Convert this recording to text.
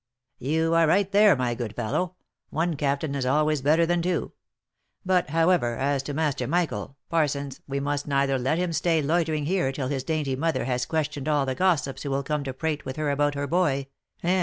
" You are right there, my good fellow — one captain is always better than two. But, however, as to master Michael, Parsons, we must neither let him stay loitering here till his dainty mother has questioned all the gossips who will come to prate with her about her boy, and OF MICHAEL ARMSTRONG.